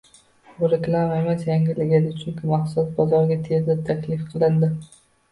Bu reklama emas, yangilik edi, chunki mahsulot bozorga tezda taklif qilindi